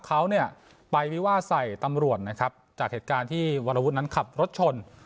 เขาเนี่ยไปวิวาสใส่ตำรวจนะครับจากเหตุการณ์ที่วรวุฒินั้นขับรถชน